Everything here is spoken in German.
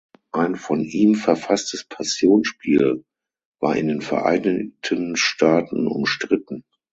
Ein von ihm verfasstes Passionsspiel war in den Vereinigten Staaten umstritten.